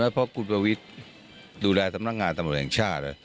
เพราะคุณประวิทย์ดูแลทำงานทั้งหมดแหล่งชาติ